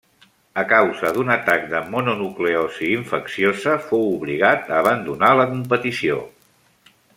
A causa d'un atac de mononucleosi infecciosa fou obligat a abandonar la competició.